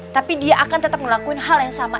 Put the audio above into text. tapi dia akan tetap ngelakuin hal yang sama